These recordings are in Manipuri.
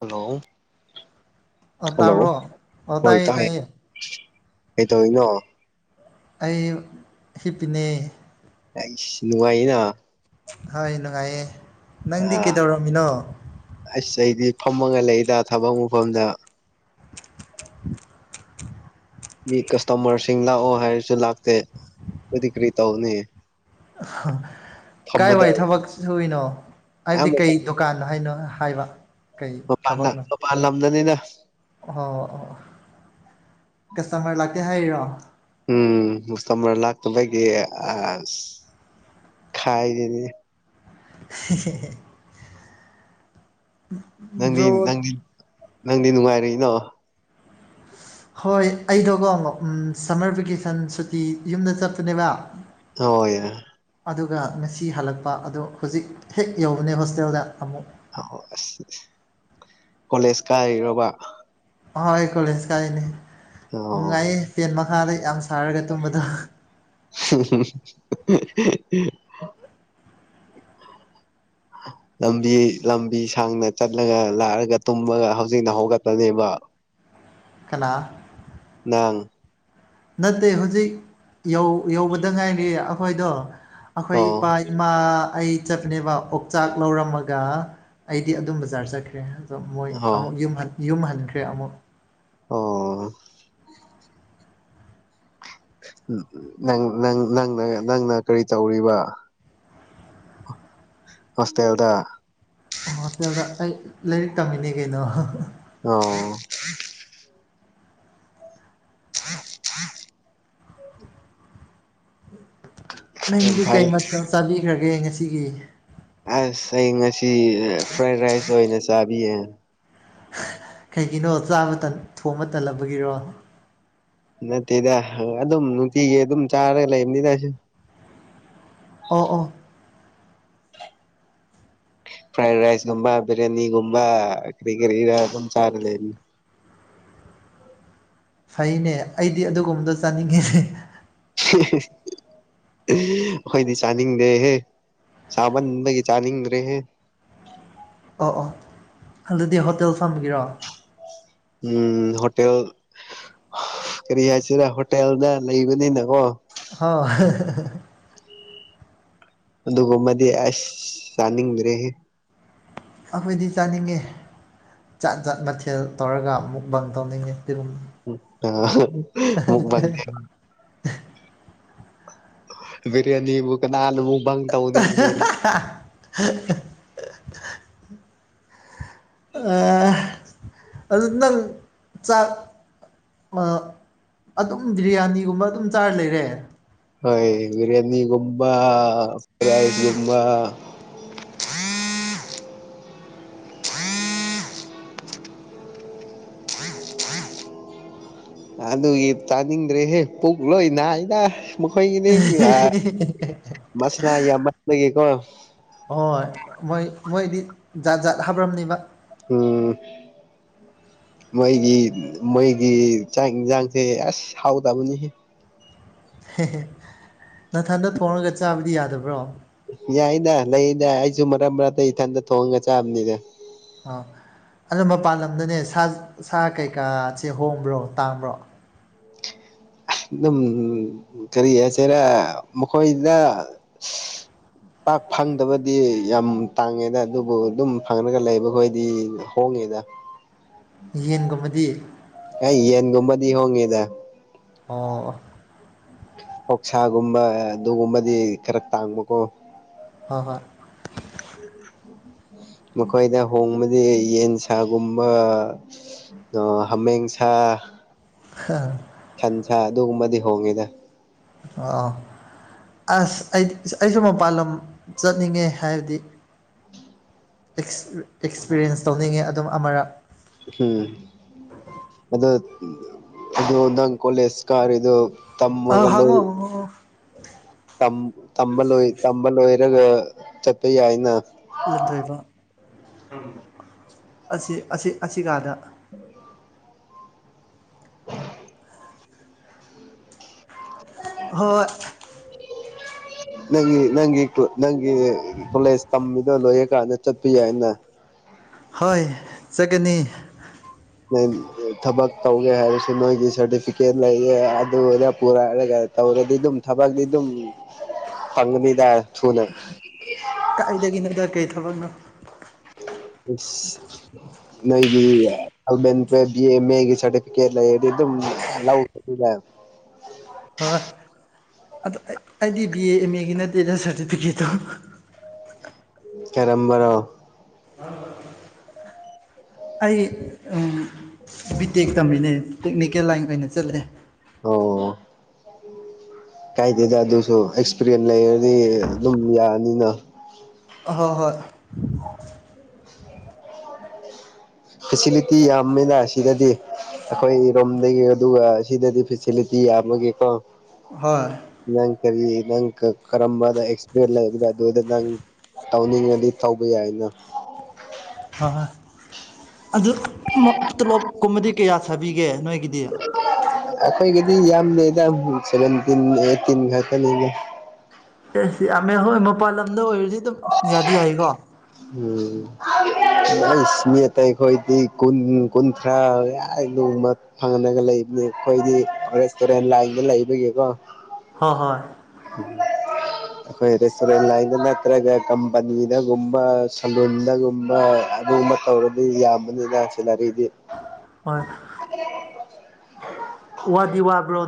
ꯍꯜꯂꯣ ꯑꯣ ꯍꯜꯂꯣ ꯇꯥꯕ꯭ꯔꯣ ꯑꯣ ꯍꯣꯏ ꯇꯥꯏꯌꯦ ꯇꯥꯏ ꯇꯥꯏꯌꯦ ꯑꯩꯇꯣꯅ ꯑꯩ ꯍꯤꯞꯅꯤ ꯑꯩ ꯅꯨꯡꯉꯥꯏꯅ ꯍꯣꯏ ꯅꯨꯡꯉꯥꯏꯌꯦ ꯅꯪꯗꯤ ꯀꯩꯗꯧꯔꯝꯃꯤꯅꯣ ꯑꯗꯩꯗꯤ ꯐꯝꯃꯒ ꯂꯩꯗ ꯊꯕꯛ ꯃꯐꯝꯗ [inaudible] ꯃꯤ ꯀꯁꯇꯃꯔꯁꯤꯡ ꯂꯥꯛꯑꯣ ꯍꯥꯏꯔꯁꯨ ꯂꯥꯛꯇꯦ ꯑꯗꯨꯗꯤ ꯀꯔꯤ ꯇꯧꯅꯤ ꯀꯥꯏ ꯐꯝꯕꯗ ꯋꯥꯏ ꯊꯕꯛ ꯁꯨꯏꯅꯣ ꯍꯥꯏꯕꯗꯤ ꯑꯌꯥꯝꯕ ꯀꯩ ꯗꯨꯀꯥꯟꯅꯣ ꯍꯥꯏꯅꯣ ꯍꯥꯏꯕ ꯀꯩ ꯃꯄꯥꯟꯅ ꯊꯕꯛꯅꯣ ꯃꯄꯥꯟ ꯂꯝꯗꯅꯤꯅ ꯑꯣ ꯑꯣ ꯀ ꯍꯥꯏꯔꯣ ꯎꯝ ꯁ ꯃꯔ ꯂꯥꯛꯇ ꯒꯤ ꯑ ꯈꯥꯏꯗꯅꯤ [inaudible] ꯅꯪꯗꯤ ꯕꯔꯣ ꯅꯪꯗꯤ ꯅꯪꯗꯤ ꯅꯨꯡꯉꯥꯏꯔꯛꯏꯅꯣ ꯍꯣꯏ ꯑꯩꯗꯣꯀꯣ ꯁꯝꯃꯔ ꯚꯦꯀꯦꯁꯟ ꯁꯨꯇꯤ ꯌꯨꯝꯗ ꯆꯠꯄꯅꯦꯕ ꯍꯣꯏ ꯌꯥ ꯑꯗꯨꯒ ꯉꯁꯤ ꯍꯜꯂꯛꯄ ꯑꯗꯣ ꯍꯧꯖꯤꯛ ꯍꯦꯛ ꯌꯧꯕꯅꯦ ꯍꯣꯁꯇꯦꯜꯗ ꯑꯃꯨꯛ ꯑ ꯑꯁ ꯀꯣꯂꯦꯖ ꯀꯥꯏꯔꯕ ꯑꯍꯣꯏ ꯀꯣꯂꯦꯖ ꯀꯥꯏꯅꯦ ꯑꯣ ꯅꯨꯡꯉꯥꯏꯌꯦ ꯐꯦꯟ ꯃꯈꯥꯗ ꯌꯥꯝ [inaudible] [inaudible] ꯁꯥꯔꯒ ꯇꯨꯝꯕꯗꯣ ꯂꯝꯕꯤ ꯂꯝꯕꯤ ꯁꯥꯡꯗ ꯆꯠꯂꯒ ꯂꯥꯛꯑꯒ ꯇꯨꯝꯃꯒ ꯍꯧꯖꯤꯛꯅ ꯍꯧꯒꯠꯄꯅꯦꯕ [inaudible] ꯀꯅꯥ ꯅꯥꯡ ꯅꯠꯇꯦ ꯍꯧꯖꯤꯛ ꯌꯧꯕꯗ ꯉꯥꯏꯔꯤ ꯑꯩꯈꯣꯏꯗꯣ ꯑꯩꯈꯣꯏ ꯑꯣ ꯏꯄꯥ ꯏꯃꯥ ꯑꯩ ꯆꯠꯄꯅꯦꯕ ꯑꯣꯛꯆꯥꯛ ꯂꯧꯔꯝꯃꯒ ꯑꯩꯗꯤ ꯑꯗꯨꯝ ꯕꯖꯥꯔ ꯆꯠꯈ꯭ꯔꯦ ꯑꯗ ꯃꯣꯏ ꯑꯣ ꯑꯃꯨꯛ ꯌꯨꯝ ꯍꯟꯈ꯭ꯔꯦ ꯑꯃꯨꯛ ꯑꯣ ꯅꯪ ꯅꯪꯅ ꯀꯔꯤ ꯇꯧꯔꯤꯕ ꯑꯣꯁꯇ꯭ꯔꯦꯦꯜꯂꯤꯌꯥꯗ ꯑꯣꯗ ꯑꯩ ꯂꯥꯏꯔꯤꯛ ꯇꯝꯃꯤꯅꯦ ꯀꯩꯅꯣ ꯑꯣ ꯊ ꯊ ꯌꯥꯝ ꯅꯪꯗꯤ ꯐꯩ ꯀꯩ ꯃꯊꯦꯜ ꯆꯥꯕꯤꯈ꯭ꯔꯒꯦ ꯉꯁꯤꯒꯤ ꯑꯁ ꯑꯩ ꯉꯁꯤ ꯐ꯭ꯔꯥꯏꯗ ꯔꯥꯏꯁ ꯑꯣꯏꯅ ꯆꯥꯕꯤꯌꯦ ꯀꯩꯒꯤꯅꯣ ꯆꯥꯕ ꯊꯣꯡꯕ ꯇꯜꯂꯕꯒꯤꯔꯣ ꯅꯠꯇꯦꯗ ꯑꯗꯨꯝ ꯅꯨꯡꯇꯤꯒꯤ ꯑꯗꯨꯝ ꯆꯥꯔꯒ ꯂꯩꯕꯅꯤꯗꯁꯨ ꯑꯣ ꯑꯣ ꯐ꯭ꯔꯥꯏ ꯔꯥꯏꯁꯒꯨꯝꯕ ꯕꯤꯔꯌꯥꯅꯤꯒꯨꯝꯕ ꯀꯔꯤ ꯀꯔꯤꯔ ꯑꯗꯨ ꯆꯔ ꯂꯩ ꯐꯩꯅꯦ ꯑꯩꯗꯤ ꯑꯗꯨꯒꯨꯝꯕꯗꯣ ꯆꯥꯅꯤꯡꯉꯤ ꯑꯩꯣꯏꯗꯤ ꯆꯥꯅꯤꯡꯗꯦꯍꯦ ꯁꯃꯟꯒꯤ ꯆꯥꯅꯤꯡ ꯔꯦꯍꯦ ꯑꯣ ꯑꯣ ꯑꯗꯨꯗꯤ ꯍꯣꯇꯦꯜ ꯐꯝꯈꯤꯔꯣ ꯎꯝ ꯍꯣꯇꯦꯜ ꯀꯔꯤ ꯍꯥꯏꯁꯤꯔꯥ ꯍꯣꯇꯦꯜꯗ ꯂꯩꯕꯅꯤꯅꯀꯣ ꯍ ꯑꯗꯨꯃꯗꯤ ꯑꯁ ꯁꯅꯤ ꯃ ꯔꯦꯦ ꯑꯩꯈꯣꯏꯗꯤ ꯆꯥꯅꯤꯡꯉꯦ ꯆꯥꯠ ꯖꯥꯠ ꯃꯊꯦꯜ ꯇꯧꯔꯒ ꯑꯃꯨꯛ ꯕꯟ ꯇꯧꯅꯤꯡꯉꯦ ꯑꯗꯨꯒꯨꯝꯕ [unintelligible] ꯕꯤꯔꯌꯥꯅꯤꯕꯨ ꯀ ꯅꯅꯕꯨꯛꯪ ꯇꯧꯕꯅꯤ ꯑꯗꯨ ꯅꯪ ꯆꯥꯛ ꯑꯗꯨꯝ ꯕꯤꯔꯌꯥꯅꯤꯒꯨꯝꯕ ꯑꯗꯨꯝ ꯆꯥꯔ ꯂꯩꯔꯦ ꯍ ꯕꯤꯔꯌꯥꯅꯤꯒꯨꯝꯕꯥ ꯔꯥꯏꯁꯒꯨꯝꯕꯥ ꯑ ꯑꯗꯨꯒꯤ ꯇꯥꯅꯤꯡꯗ꯭ꯔꯦꯍꯦ ꯄꯨꯛ ꯂꯣꯏ ꯅꯥꯏꯅ ꯃꯈꯣꯏꯒꯤꯗꯤ ꯃꯁꯂ ꯌꯥ ꯃꯁ ꯂꯩꯒꯦꯀꯣ ꯍꯣꯏ ꯃꯣꯏ ꯃꯣꯏꯗꯤ ꯖꯥꯠ ꯖꯥꯠ ꯍꯥꯕ꯭ꯔꯅꯦꯕ ꯎꯝ ꯃꯩꯒꯤ ꯃꯩꯒꯤ ꯆꯥꯛ ꯌꯦꯟꯁꯥꯡꯁꯦ ꯑꯁ ꯍꯥꯎꯗꯕꯅꯤ ꯅꯊꯟꯗ ꯊꯣꯡꯉꯒ ꯆꯥꯕꯗꯤ ꯌꯥꯗꯕ꯭ꯔꯣ ꯌꯥꯏꯗ ꯂꯩꯗ ꯑꯩꯁꯨ ꯃꯔꯛ ꯃꯔꯛꯇ ꯏꯊꯟꯇ ꯊꯣꯡꯉꯒ ꯆꯥꯕꯅꯤꯅꯦ ꯑꯥ ꯑꯅ ꯃꯄꯥꯟ ꯂꯝꯗꯅꯦ ꯁꯥ ꯁꯥ ꯀꯩꯀꯥꯁꯦ ꯍꯣꯡꯕ꯭ꯔꯣ ꯇꯥꯡꯕ꯭ꯔꯣ ꯑꯗꯨꯝ ꯀꯔꯤ ꯍꯥꯏꯆꯦꯔ ꯃꯈꯣꯏꯗ ꯄꯥꯛ ꯐꯪꯗꯕꯗꯤ ꯌꯥꯝ ꯇꯥꯡꯉꯦꯗ ꯑꯗꯨꯕꯨ ꯑꯗꯨꯝ ꯐꯪꯉꯒ ꯂꯩꯕꯈꯣꯏꯗꯤ ꯍꯣꯡꯉꯦ ꯀꯗ ꯌꯦꯟꯒꯨꯝꯕꯗꯤ ꯑꯩ ꯌꯦꯟꯒꯨꯝꯃꯗꯤ ꯍꯣꯡꯒꯦꯗ ꯑꯣ ꯄꯣꯛꯁꯥꯒꯨꯝꯕ ꯑꯗꯨꯒꯨꯝꯕꯗꯤ ꯈꯔ ꯇꯥꯡꯕꯀꯣ ꯍꯣꯏ ꯍꯣꯏ ꯎꯝ ꯃꯈꯣꯏꯗ ꯍꯣꯡꯕꯗꯤ ꯌꯦꯟ ꯁꯥꯒꯨꯝꯕ ꯑ ꯍꯃꯦꯁꯥ ꯍꯥꯥ ꯁꯟꯁ ꯑꯗꯨꯒꯨꯝꯕꯗꯤ ꯍꯣꯡꯉꯤꯗ ꯑꯥ ꯑꯁ ꯑꯩ ꯑꯩꯁꯨ ꯃꯄꯥꯜ ꯂꯝ ꯆꯠꯅꯤꯡꯉꯦ ꯍꯥꯏꯕꯗꯤ ꯑꯦꯛꯁꯄꯤꯔꯤꯌꯦꯟꯁ ꯇꯧꯅꯤꯡꯉꯦ ꯑꯗꯨꯝ ꯑꯃꯔꯛ ꯍꯝ ꯑꯗ ꯑꯗꯨ ꯑꯣꯗꯪ ꯀꯣꯂꯦꯁ ꯀꯔ ꯏꯗꯨ ꯑ ꯍꯪꯉꯣꯉꯣ ꯝꯕ ꯂ ꯇꯝꯕ ꯂꯣꯏꯔꯒ ꯆꯠꯄ ꯌꯥꯏꯅ ꯂꯟꯊꯣꯏꯕ ꯑꯁꯤ ꯑꯁꯤ ꯀꯥꯗ ꯎ [unintelligible] ꯑ ꯍꯣꯏ ꯑꯣ ꯅꯪꯒꯤ ꯅꯪꯒꯤ ꯅꯪꯒꯤ ꯀꯣꯂꯦꯖ ꯇꯝꯃꯤꯗꯣ ꯂꯣꯏꯔꯀꯥꯟꯗ ꯆꯠꯄ ꯌꯥꯏꯅ ꯍꯣꯏ ꯆꯠꯀꯅꯤ ꯅ ꯊꯕꯛ ꯇꯧꯒꯦ ꯍꯥꯏꯔꯁꯨ ꯅꯣꯏꯒꯤ ꯁꯥꯔꯇꯤꯐꯤꯀꯦꯠ ꯂꯩꯔꯦ ꯑꯗꯨꯔ ꯄꯨꯔꯥꯔꯒ ꯇꯧꯔꯗꯤ ꯑꯗꯨꯝ ꯊꯕꯛꯇꯗꯤ ꯑꯗꯨꯝ ꯐꯪꯒꯅꯤꯗ ꯊꯨꯅ ꯀꯥꯏꯗ ꯀꯣꯗꯔ ꯀ ꯊꯣ ꯅꯣꯏꯒꯤ ꯑꯦꯒꯤ ꯁꯔꯇꯤꯐꯤꯦꯠ ꯂꯩ ꯑꯗꯨꯝ ꯑꯗ ꯑꯩꯗꯤ ꯕꯤ ꯑꯦ ꯑꯦꯝ ꯑꯦꯒꯤ ꯅꯠꯇꯦꯗ ꯁꯥꯔꯇꯤꯐꯤꯀꯦꯠꯇꯣ ꯀꯔꯝꯕꯔꯣ ꯑꯩ ꯕꯤ ꯇꯦꯛ ꯇꯝꯃꯤꯅꯦ ꯇꯦꯛꯅꯤꯀꯦꯜ ꯂꯥꯏꯟ ꯑꯣꯏꯅ ꯆꯠꯂꯑꯦ ꯎ ꯀꯥꯏꯗꯦꯗ ꯑꯗꯨꯁꯨ ꯑꯦꯛꯁꯄꯤꯔꯤꯌꯦꯟꯁ ꯂꯩꯔꯗꯤ ꯑꯗꯨꯝ ꯌꯥꯅꯤꯅ ꯍꯣꯏ ꯍꯣꯏ ꯐꯦꯁꯤꯂꯤꯇꯤ ꯌꯥꯝꯃꯤꯅ ꯁꯤꯗꯗꯤ ꯑꯩꯈꯣꯏꯔꯣꯝꯗꯒꯤ ꯑꯗꯨꯒ ꯁꯤꯗꯗꯤ ꯐꯦꯁꯤꯤ ꯁꯤꯤ ꯌꯥꯝ ꯑꯃꯒꯤꯒꯀꯣ ꯍꯣꯏ ꯀꯔꯤ ꯅꯪ ꯀ ꯀꯔꯝꯕꯗ ꯑꯦꯛꯁꯄ ꯑꯗꯨꯗ ꯅꯪ ꯇꯧꯅꯤꯡꯉꯗꯤ ꯇꯧꯕ ꯌꯥꯏꯅ ꯑ ꯑꯗꯨ ꯇꯣꯂꯣꯞ ꯀꯨꯝꯕꯗꯤ ꯀꯌꯥ ꯁꯥꯕꯤꯒꯦ ꯅꯣꯏꯒꯤꯗꯤ ꯑꯩꯈꯣꯏꯒꯤꯗꯤ ꯌꯥꯝ ꯂꯩꯗ ꯁꯚꯦꯟꯇꯤꯟ ꯑꯩꯠꯇꯤꯟ ꯈꯛꯇꯅꯤꯗ ꯑꯁ ꯌꯥꯝꯃꯦ ꯍꯣꯏ ꯃꯄꯥꯟ ꯂꯝꯗ ꯑꯣꯏꯔꯗꯤ ꯑꯗꯨꯝ ꯌꯥꯗꯤ ꯌꯥꯏꯀꯣ ꯍ ꯁꯤꯅꯦ ꯑꯇꯩ ꯑꯩꯈꯣꯏꯗꯤ ꯀꯨꯟ ꯀꯨꯟꯊ꯭ꯔꯥ ꯌꯥ ꯂꯨꯃ ꯐꯪꯍꯒ ꯂꯩꯕ ꯑꯩꯈꯣꯏꯗꯤ ꯔꯦꯁꯇꯨꯔꯦꯟ ꯂꯥꯏꯟꯗ ꯂꯩꯕꯒꯤꯀꯣ ꯍꯣ ꯍꯣꯏ ꯎ ꯑꯩꯈꯣꯏ ꯔꯦꯁꯇꯨꯔꯦꯟ ꯂꯥꯏꯟꯗ ꯅꯠꯇ꯭ꯔꯒ ꯀꯝꯄꯅꯤꯗꯒꯨꯝꯕ ꯁꯂꯨꯟꯗꯒꯨꯝꯕ ꯑꯗꯨꯒꯨꯝꯕ ꯇꯧꯔꯗꯤ ꯌꯥꯝꯕꯅꯤꯅ ꯁꯦꯂꯔꯤ ꯑꯣꯏ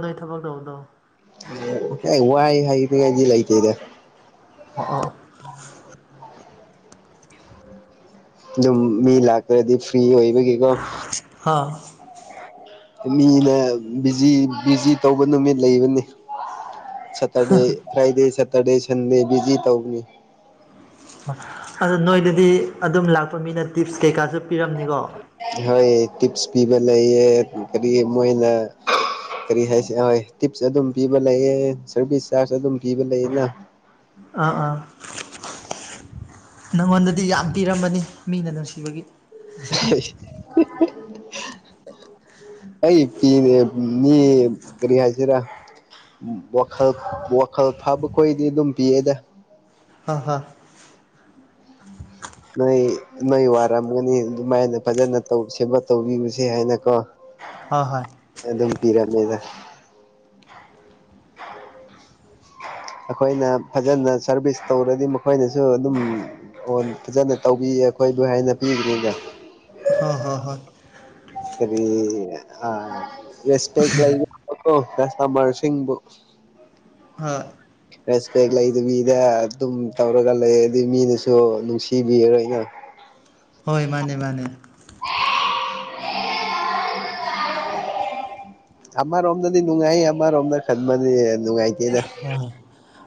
ꯅꯣꯏ ꯊꯕꯛ ꯇꯧꯕꯗꯣ ꯋꯥꯏ ꯍꯥꯏꯉꯗꯤ ꯂꯩꯇꯦꯗ ꯑ ꯑ ꯑꯗꯨꯝ ꯃꯤ ꯂꯥꯛꯈ꯭ꯔꯗꯤ ꯐ꯭ꯔꯤ ꯑꯣꯏꯕꯒꯤꯀꯣ ꯑꯥ ꯃꯤꯅ ꯕꯤꯖꯤ ꯇꯧꯕ ꯅꯨꯃꯤꯠ ꯂꯩꯕꯅꯤ Saturday Friday Saturday Sunday busy ꯇꯧꯅꯤ ꯑꯗꯣ ꯅꯣꯏꯗꯗꯤ ꯑꯗꯨꯝ ꯂꯥꯛꯄ ꯃꯤꯅꯦ ꯇꯤꯞꯁ ꯀꯩꯀꯥꯁꯨ ꯄꯤꯔꯝꯅꯤꯀꯣ ꯍꯣꯏ ꯇꯤꯞꯁ ꯄꯤꯕ ꯂꯩ ꯀꯔꯤ ꯃꯣꯏꯅ ꯀꯔꯤ ꯍꯥꯏꯁꯣꯏ ꯇꯤꯞꯁ ꯑꯗꯨꯝ ꯄꯤꯕ ꯂꯩꯌꯦ ꯁꯔꯚꯤꯁ ꯆꯥꯔꯖ ꯑꯗꯨꯝ ꯄꯤꯕ ꯂꯩꯌꯦꯅ ꯑꯥ ꯑꯥ ꯅꯪꯉꯣꯟꯗꯗꯤ ꯌꯥꯝ ꯄꯤꯔꯃꯅꯤ ꯃꯤꯅ ꯅꯨꯡꯁꯤꯕꯒꯤ [inaudible] ꯑꯩ ꯄꯅꯦ ꯃꯤ ꯀꯔꯤ ꯍꯥꯏꯁꯤꯦꯔ ꯎ ꯋꯥꯈꯜ ꯋꯥꯈꯜ ꯐꯕꯈꯣꯏꯗꯤ ꯑꯗꯨꯝ ꯄꯤꯌꯦꯦꯗ ꯍ ꯍꯥ ꯅꯣꯏ ꯅꯣꯏ ꯋꯥꯔꯝꯒꯅꯤ ꯑꯗꯨꯃꯥꯏꯅ ꯐꯖꯅ ꯇꯧ ꯁꯦꯝꯕ ꯇꯧꯕꯤꯔꯨꯁꯦ ꯍꯥꯏꯅꯀꯣ ꯍꯣꯏ ꯑꯗꯨꯝ ꯄꯤꯔꯝꯃꯦꯗ ꯑꯩꯈꯣꯏꯅ ꯐꯖꯅ ꯁꯥꯔꯚꯤꯁ ꯇꯧꯔꯗꯤ ꯃꯈꯣꯏꯅꯁꯨ ꯑꯗꯨꯝ ꯐꯖꯅ ꯇꯧꯕꯤ ꯑꯩꯈꯣꯏꯕꯨ ꯍꯥꯏꯅ ꯄꯤꯈꯅꯤꯗ ꯍꯣꯏ ꯍꯣꯏ ꯍꯣꯏ ꯀꯔꯤ ꯑꯁꯦꯛ ꯂꯩ ꯄꯦꯁꯥ ꯃꯔꯔꯁꯤꯡꯕꯨ ꯍꯣꯏ ꯔꯦꯁꯄꯦꯛ ꯂꯩꯗꯕꯤꯗ ꯑꯗꯨꯝ ꯇꯧꯔꯒ ꯂꯩ ꯑꯗꯨꯩ ꯃꯤꯅꯁꯨ ꯅꯨꯡꯁꯤꯕꯤꯔꯔꯣꯏ ꯑꯩꯅ ꯍꯣꯏ ꯃꯥꯅꯦ ꯃꯥꯅꯦ ꯑꯃꯔꯣꯝꯅꯗꯤ ꯅꯨꯡꯉꯥꯏ ꯑꯃꯔꯣꯝꯅ ꯈꯟꯗꯤ ꯍ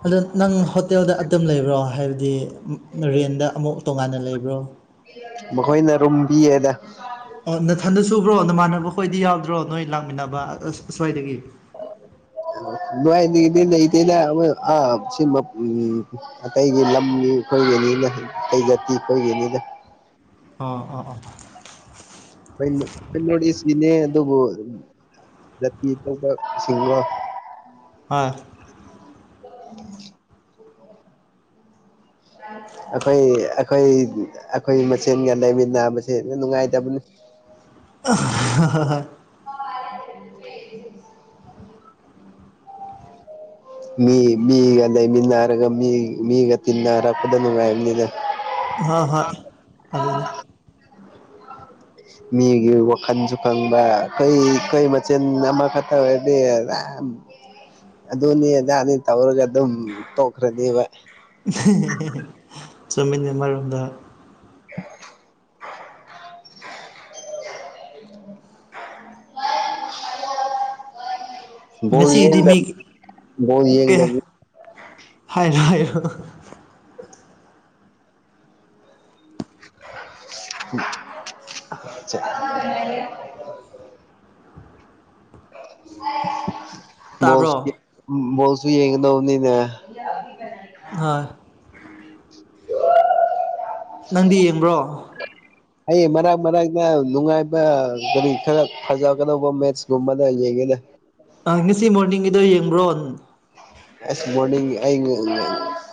ꯑꯗꯣ ꯅꯪ ꯍꯣꯇꯦꯜꯗ ꯑꯗꯨꯝ ꯂꯩꯕ꯭ꯔꯣ ꯍꯥꯏꯕꯗꯤ ꯔꯦꯟꯗ ꯑꯃꯨꯛ ꯇꯣꯉꯥꯟꯅ ꯂꯩꯕ꯭ꯔꯣ ꯃꯈꯣꯏꯅ ꯔꯨꯝ ꯄꯤꯌꯦꯗ ꯅꯊꯟꯗ ꯁꯨꯕ꯭ꯔꯣ ꯅꯃꯥꯟꯅꯕꯈꯣꯏꯗꯤ ꯌꯥꯎꯗ꯭ꯔꯣ ꯅꯣꯏ ꯂꯥꯛꯃꯤꯟꯅꯕ ꯑꯁ ꯑꯁ꯭ꯋꯥꯏꯗꯒꯤ ꯑꯣ ꯅꯨꯡꯉꯥꯏꯗꯤ ꯂꯩꯇꯦꯅꯦ ꯑ ꯁꯤ ꯎ ꯑꯇꯩꯒꯤ ꯂꯝ ꯑꯩꯈꯣꯏꯒꯤꯅꯤꯅ ꯑꯩ ꯖꯥꯇꯤ ꯑꯩꯈꯣꯏꯒꯤꯅꯤꯅ ꯑ ꯑꯥ ꯑ ꯑꯩꯈꯅꯣ ꯁꯤꯅꯦ ꯑꯗꯨꯕꯨ ꯇ ꯁꯤꯁꯤꯡꯒ ꯍꯥꯣꯏ [inaudible] ꯑꯩꯈꯣꯏ ꯑꯩꯈꯣꯏ ꯑꯩꯈꯣꯏ ꯃꯁꯦꯟꯒ ꯂꯩꯃꯤꯟꯅꯕꯁꯦ ꯅꯨꯡꯉꯥꯏꯇꯕꯅꯤ [inaudible] ꯍ ꯍꯣꯏ ꯑ ꯃꯤ ꯃꯤꯒ ꯂꯩꯃꯤꯟꯅꯔꯒ ꯃꯤ ꯃꯤꯒ ꯇꯤꯟꯅꯔꯛꯄꯗ ꯅꯨꯡꯉꯥꯏꯕꯅꯤꯅ ꯍꯣꯏ ꯍꯣꯏ ꯑꯗꯨꯖꯅꯦꯦ ꯎ ꯃꯤꯒꯤ ꯋꯥꯈꯜꯁꯨ ꯈꯪꯕ ꯑꯩꯈꯣꯏꯈꯩ ꯃꯆꯦꯟ ꯑꯃꯈꯛꯇ ꯑꯣꯏꯔꯗꯤ ꯑꯗꯨꯅꯤ ꯑꯖꯅꯤ ꯇꯧꯔꯒ ꯑꯗꯨꯝ ꯇꯣꯛꯈ꯭ꯔꯅꯦꯕ ꯆꯨꯝꯃꯤꯕ ꯃꯔꯝꯗ [inaudible] ꯑ ꯉꯁꯤꯒꯤꯗꯤ ꯃꯤ ꯕꯣꯜ ꯀꯩ ꯌꯦꯡꯗꯕꯤ ꯍꯥꯏꯅ ꯍꯥꯏꯌꯨ [inaudible] [inaudible] ꯆꯦ [unintelligible] [unintelligible] ꯇꯥꯕ꯭ꯔꯣ [unintelligible] ꯁꯨ ꯌꯦꯡꯒꯗꯧꯅꯤꯅꯦ ꯍꯣꯏ ꯑ ꯅꯪꯗꯤ ꯌꯦꯡꯕ꯭ꯔꯣ ꯑꯩ ꯃꯔꯛ ꯃꯔꯛꯅ ꯅꯨꯡꯉꯥꯏꯕ ꯀꯔꯤ ꯈꯔ ꯐꯖꯒꯗꯧꯕ ꯃꯦꯠꯁꯀꯨꯝꯕꯅ ꯌꯦꯡꯒꯦꯗ ꯑ ꯉꯁꯤ ꯃꯣꯔꯅꯤꯡꯒꯤꯗꯣ ꯌꯦꯡꯕ꯭ꯔꯣ ꯑꯁ ꯃꯣꯔꯅꯤꯡ ꯑꯩ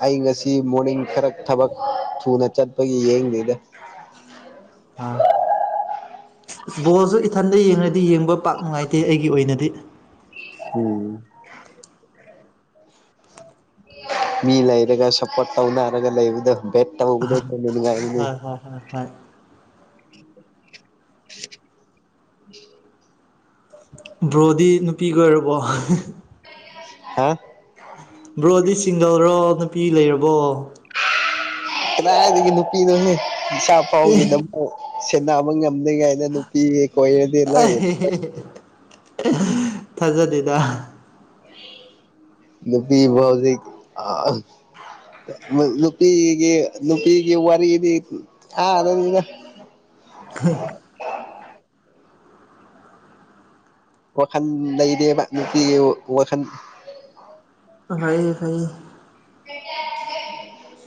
ꯑꯩ ꯉꯁꯤ ꯃꯣꯔꯅꯤꯡ ꯈꯔ ꯊꯕꯛ ꯊꯨꯅ ꯆꯠ ꯒꯤ ꯌꯦꯡꯗꯤꯗ ꯑ ꯕꯣꯜꯁꯨ ꯏꯊꯟꯗ ꯌꯦꯡꯉꯗꯤ ꯌꯦꯡꯕ ꯄꯥꯛ ꯅꯨꯡꯉꯥꯏꯇꯦ ꯑꯩꯒꯤ ꯑꯣꯏꯅꯗꯤ ꯎꯝ ꯃꯤ ꯂꯩꯔꯒ ꯁꯞꯄꯣꯔꯠ ꯇꯧꯅꯔꯒ ꯂꯩꯕꯗ ꯦꯠ ꯇ ꯑꯍ ꯀꯗꯉ ꯎꯝ ꯍꯣꯏ ꯍꯣꯏ ꯍꯣꯏ ꯍꯣꯏ ꯕ꯭ꯔꯣꯗꯤ ꯅꯨꯄꯤꯒꯤ ꯑꯣꯏꯔꯕꯣ ꯍꯥ ꯕ꯭ꯔꯣꯗꯤ ꯁꯤꯡꯒꯜꯔꯣ ꯅꯨꯄꯤ ꯂꯩꯔꯕꯣ ꯀꯗꯥꯏꯗꯒꯤ ꯅꯨꯄꯤꯅꯣꯅꯦ ꯏꯥ ꯑꯦ ꯐꯥꯎꯒꯦꯅ ꯑꯃ ꯁꯦꯟꯅꯕ ꯉꯝꯃꯤ ꯀ ꯅꯨꯄꯤ ꯀꯣꯏꯗꯤ ꯂꯣꯏ ꯑꯩ ꯊꯥꯖꯗꯦꯗ ꯅꯨꯄꯤ ꯐꯖꯤ ꯅꯨꯄꯤꯒꯤ ꯅꯨꯄꯤꯒꯤ ꯋꯥꯔꯤꯗꯤ ꯊꯥꯔꯅꯤꯅ ꯈꯦ ꯋꯥꯈꯜ ꯂꯩꯗꯦꯕ ꯅꯨꯄꯤꯒꯤ ꯋꯥꯈꯜ ꯐꯩ ꯐꯩ ꯦ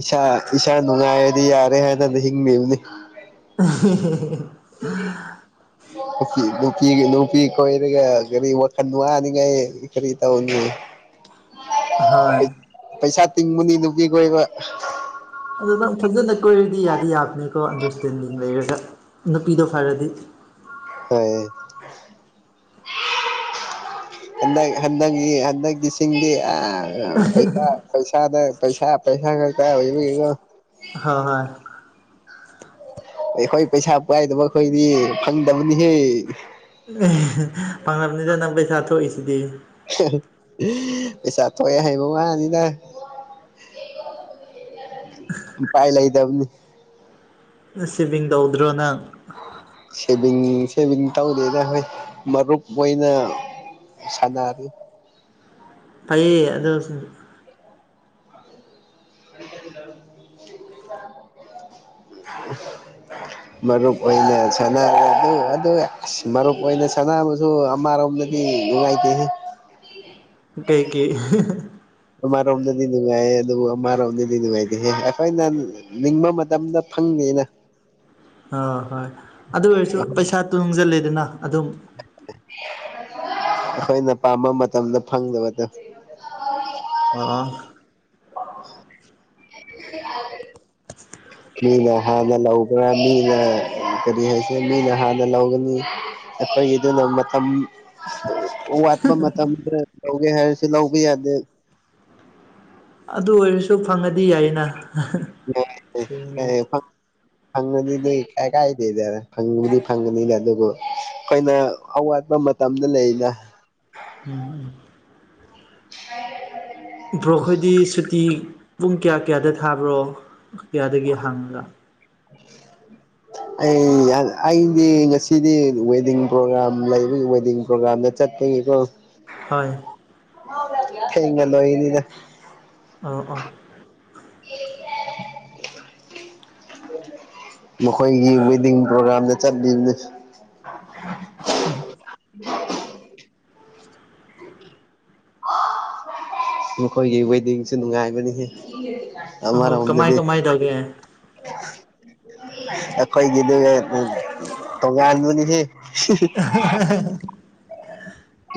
ꯏꯁꯥ ꯏꯁꯥ ꯅꯨꯡꯉꯥꯏꯔꯗꯤ ꯌꯥꯔꯦ ꯍꯥꯏꯅꯅ ꯍꯤꯡꯉꯕꯅꯤ ꯑꯍ-ꯍ-ꯍ [inaudible] ꯅꯨꯄꯤꯒꯤ ꯅꯨꯄꯤ ꯀꯣꯏꯔꯒ ꯀꯔꯤ ꯋꯥꯈꯜ ꯋꯥꯅꯤꯡꯉꯥꯏ ꯀꯔꯤ ꯇꯧꯅꯤ [inaudible] ꯍꯣꯏ ꯄꯩꯁꯥ ꯇꯤꯡꯕꯅꯤ ꯅꯨꯄꯤ ꯀ‌ꯣꯏꯕ ꯑꯗꯨ ꯅꯪ ꯐꯖꯟꯅ ꯀꯣꯏꯔꯗꯤ ꯌꯥꯗꯤ ꯌꯥꯕꯅꯤꯀꯣ ꯑꯟꯗꯔꯁꯇꯦꯟꯗꯤꯡ ꯂꯩꯔꯒ ꯅꯨꯄꯤꯗꯣ ꯐꯔꯗꯤ ꯍꯣꯏ ꯍꯟꯗꯛ ꯍꯟꯗꯛꯀꯤ ꯍꯟꯗꯛꯀꯤꯁꯤꯡꯗꯤ ꯑ ꯄꯩꯁꯥ ꯄꯩꯁꯥꯗ ꯄꯩꯁꯥ ꯄꯩꯁꯥ ꯈꯛꯇ ꯑꯣꯏꯕꯒꯣ ꯍꯣꯏ ꯍꯣꯏ ꯑꯩꯈꯣꯏ ꯄꯩꯁꯥ ꯄꯥꯏꯗꯕ ꯑꯩꯈꯣꯏꯗꯤ ꯐꯪꯗꯕꯅꯤꯍꯦ ꯐꯪꯉꯝꯅꯤꯗ ꯅꯪ ꯄꯩꯁꯥ ꯊꯣꯛꯏꯗꯨꯗꯤ ꯄꯩꯁꯥ ꯊ‌ꯣꯑꯦ ꯍꯥꯏꯕ ꯋꯥꯅꯤꯗ ꯎꯄꯥꯏ ꯂꯩꯥꯏꯗꯕꯅꯤ ꯁꯤꯚꯤꯡ ꯇꯧꯗ꯭ꯔꯣ ꯅꯪ ꯁꯦꯚꯤꯡ ꯁꯦꯚꯤꯡ ꯇꯧꯗꯦꯗ ꯑꯈꯣꯏ ꯃꯔꯨꯞ ꯑꯣꯏꯅ ꯁꯥꯅꯔꯤ ꯐꯩꯌ‌ꯦ ꯑꯗꯨꯁꯨ [unintelligible] ꯃꯔꯨꯞ ꯑꯣꯏꯅ ꯁꯥꯅꯔ ꯑꯗ‌ꯣ ꯑꯁꯤ ꯃꯔꯨꯞ ꯑꯣꯏꯅ ꯀꯅꯥꯕꯨꯁꯨ ꯑꯃꯥꯔꯣꯝꯗꯗꯤ ꯅꯨꯡꯉꯥꯏꯇꯦ ꯀꯩ ꯀꯩ ꯑꯃꯔꯣꯝꯗꯗꯤ ꯅꯨꯡꯉꯥꯏꯌꯦ ꯑꯗꯨꯕꯨ ꯑꯃꯔꯣꯝꯗꯗꯤ ꯅꯨꯡꯉꯥꯏꯇꯦꯍꯦ ꯑꯩꯈꯣꯏꯅ ꯅꯤꯡꯕ ꯃꯇꯝꯗ ꯐꯪ ꯗ‌ꯦꯅ‌ꯦ [unintelligible] ꯑ ꯍꯣꯏ ꯑꯗꯨ ꯑꯣꯏꯔꯁꯨ ꯄꯩꯁꯥ ꯇꯨꯡꯁꯤꯂꯦꯗꯅ ꯑꯗꯨꯝ ꯑꯩꯈꯣꯏꯅ ꯄꯥꯝꯕ ꯃꯇꯝꯗ ꯐꯪꯗꯕꯗꯣ ꯑ‌ꯣ ꯑꯣ [inaudible] ꯃꯤꯅ ꯍꯥꯟꯅ ꯂꯧꯕ꯭ꯔꯥ ꯃꯤꯅ ꯀꯔꯤ ꯍꯥꯏꯁꯦ ꯃꯤꯅ ꯍꯥꯟꯅ ꯂꯧꯒꯅꯤ ꯑꯩꯈꯣꯏꯒꯤ ꯑꯗꯨꯅ ꯃꯇꯝ ꯋꯥꯠꯄ ꯃꯇꯝ ꯈꯔ ꯂꯧꯒꯦ ꯍꯥꯏꯔꯁꯨ ꯂꯧꯕ ꯌꯥꯗꯦ ꯑꯗꯨ ꯑꯣꯏꯔꯁꯨ ꯐꯪꯉꯗꯤ ꯌꯥꯏꯅ ꯎꯝ ꯌꯥꯏ ꯀ ꯐ [unintelligible] ꯐꯪꯉꯗꯨꯗꯤ ꯀꯥꯏ-ꯀꯥꯏꯗꯦꯗ ꯐꯪꯕꯗꯤ ꯐꯪꯉꯅꯤꯗ ꯑꯗꯨꯕꯨ ꯑꯩꯈꯣꯏꯅ ꯑꯋꯥꯠ ꯠꯄ ꯃꯇꯝꯗ ꯂꯩꯅ ꯎꯝ [unintelligible] ꯕ꯭ꯔꯣꯈꯣꯏꯗꯤ ꯁꯨꯇꯤ ꯄꯨꯡ ꯀꯌꯥ ꯀꯌꯥꯗ ꯊꯥꯕ꯭ꯔꯣ ꯀꯌꯥꯗꯒꯤ ꯍꯥꯡꯉꯒ [inaudible] ꯑꯩ ꯑꯩꯗꯤ ꯉꯁꯤꯗꯤ ꯋꯦꯗꯤꯡ ꯄ꯭ꯔꯣꯒ꯭ꯔꯥꯝ ꯂꯩꯕ ꯋꯦꯗꯤꯡ ꯄ꯭ꯔꯣꯒ꯭ꯔꯥꯝꯗ ꯆꯠꯄꯒꯤꯀꯣ ꯍꯣꯏ ꯊꯦꯡꯅ ꯂꯣꯏꯅꯤꯗ ꯑ‌ꯣ ꯑꯣ [inaudible] ꯃꯈꯣꯏꯒꯤ ꯋꯦꯗꯤꯡ ꯄ꯭ꯔꯣꯒꯔꯥꯝꯗ ꯆꯠꯂꯤꯕꯅꯤ ꯑ [inaudible] ꯃꯈꯣꯏꯒꯤ ꯋꯦꯗꯤꯡꯁꯨ ꯅꯨꯡꯉꯥꯏꯕꯅꯤ ꯑꯣ ꯑꯔ ꯀꯃꯥꯏ ꯔꯣꯝꯗꯗꯤ ꯀꯃꯥꯏ ꯇꯧꯒꯦ ꯑꯩꯈꯣꯏꯒꯤꯗꯨꯒꯥ ꯇꯣꯉꯟꯕꯅꯤꯍꯦ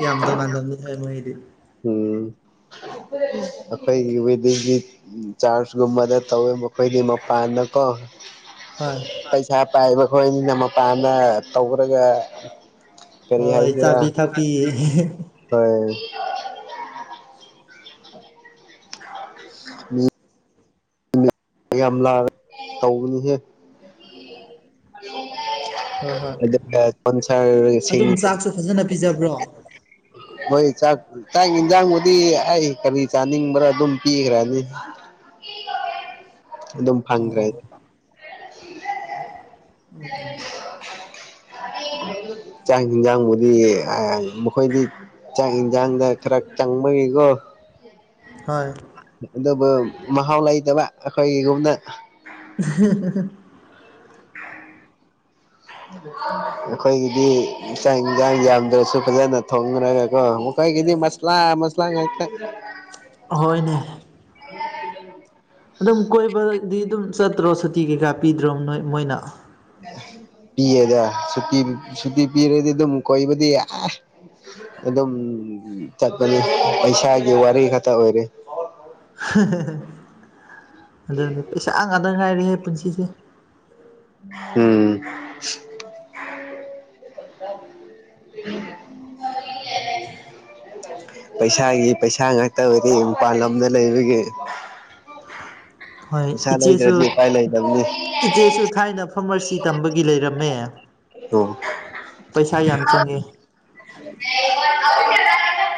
ꯌꯥꯝ ꯇ ꯉ [unintelligible] ꯍꯥꯏ ꯃꯗꯤ ꯎꯝ ꯑꯩꯈꯣꯏꯒꯤ ꯋꯤꯗꯤꯡꯗꯤ ꯆꯥꯔꯖꯀꯨꯝꯕꯗ ꯇꯧꯋꯦꯕ ꯃꯈꯣꯏꯗꯤ ꯃꯄꯥꯟꯗ ꯆꯀꯣ ꯍꯣꯏ ꯄꯩꯁꯥ ꯄꯥꯏꯕ ꯈꯣꯏꯅꯤꯅ ꯃꯄꯥꯟꯗ ꯇꯧꯈꯔꯒ ꯀꯔꯤ ꯍꯣꯏ ꯍꯥꯏꯏꯁꯦꯔꯥ ꯆꯥꯕꯤ ꯊꯛꯄꯤ ꯍꯣꯏ ꯃꯤ ꯌꯥꯝ ꯂꯥꯔ ꯇꯧꯕꯅꯤꯍꯦ ꯍꯣꯏ ꯍꯣꯏ ꯀꯟꯁꯔ ꯁꯤ ꯑꯗꯨꯝ ꯆꯥꯛꯁꯨ ꯐꯖꯅ ꯄꯤꯖꯕ꯭ꯔꯣ ꯍꯣꯏ ꯆꯥꯛ-ꯆꯥꯛ ꯌꯦꯟꯁꯥꯡꯕꯨꯗꯤ ꯑꯩ ꯀꯔꯤ ꯆꯥꯅꯤꯡꯕ꯭ꯔꯥ ꯑꯗꯨꯝ ꯄꯤꯈ꯭ꯔꯅꯤ [inaudible] ꯑꯗꯨꯝ ꯑꯣ ꯐꯪꯈ꯭ꯔꯦ ꯑꯣ ꯆꯥꯛ ꯍꯤꯟꯖꯥꯡꯕꯨꯗꯤ ꯃꯈꯣꯏꯗꯤ ꯆꯥꯡ ꯏꯟꯁꯥꯡꯗ ꯈꯔ ꯆꯪꯕꯒꯤꯀꯣ ꯍꯣꯏ ꯑꯗꯨꯕꯨ ꯃꯍꯥꯎ ꯂꯩꯇꯕ ꯑꯩꯈꯣꯏꯒꯤꯒꯨꯝꯅ [inaudible] [inaudible] ꯑꯩꯈꯣꯏꯒꯤꯗꯤ ꯏꯥꯡ ꯏꯟꯁꯥꯡ ꯌꯥꯝꯗ꯭ꯔꯁꯨ ꯐꯖꯅ ꯊꯣꯡꯅꯔꯒ ꯀꯦ ꯑꯩꯈꯣꯌꯒꯤ ꯗꯤ ꯃꯁꯂꯥ ꯑꯃꯥ ꯆꯉꯥ ꯛꯠ ꯍꯣꯏꯅꯦ ꯑꯗꯨꯝ ꯀꯣꯏꯕꯗꯤ ꯑꯗꯨꯝ ꯆꯠꯇ꯭ꯔꯣ ꯁꯨꯇꯤ ꯀꯩꯀꯥ ꯄꯤꯗ꯭ꯔꯣ ꯅꯣꯏ ꯃꯣꯏꯅ ꯄꯤꯌꯦꯗ ꯁꯨꯤ ꯁꯨꯇꯤ ꯄꯤꯔꯗꯤ ꯑꯗꯨꯝꯛ ꯀꯣꯏꯕꯗꯤ ꯑꯗꯨꯝ ꯆꯠꯄꯅꯤ ꯄꯩꯁꯥꯒꯤ ꯋꯥꯔꯤ ꯈꯛꯇ ꯑꯣꯏꯔꯦ [inaudible] ꯑꯗꯨꯗꯤ ꯄꯩꯁꯥ ꯉꯥꯛꯇ ꯉꯥꯏꯔꯦꯍꯦ ꯄꯨꯟꯁꯤꯁꯦ ꯎꯝ ꯎ ꯄꯩꯁꯥꯒꯤ ꯄꯩꯁꯥ ꯉꯥꯛꯇꯕꯨꯗꯤ ꯃꯄꯥꯟ ꯂꯝꯗ ꯂꯩꯕꯒꯤ ꯍꯣꯏ ꯄꯩꯁꯥ ꯏꯆꯦꯁꯨ ꯂꯩꯗ꯭ꯔꯗꯤ ꯎꯄꯥꯏ ꯂꯩꯇꯕꯅꯤ ꯏꯆꯦꯁꯨ ꯊꯥꯏꯅ ꯐꯥꯔꯃꯥꯁꯤ ꯇꯝꯕꯒꯤ ꯂꯩꯔꯝꯃꯦ ꯄꯩꯁꯥ ꯌꯥꯝ ꯆꯪꯉꯦ [unintelligible]